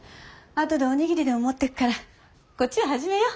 あとでおにぎりでも持っていくからこっちは始めよう。